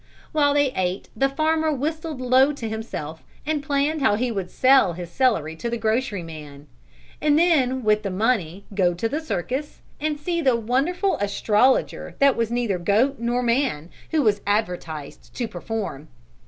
While they ate the farmer whistled low to himself and planned how he would sell his celery to the grocery man; and then, with the money, go to the circus, and see the wonderful astrologer that was neither goat nor man who was advertised to perform.